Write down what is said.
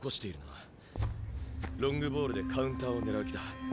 ロングボールでカウンターを狙う気だ。